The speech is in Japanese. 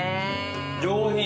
上品。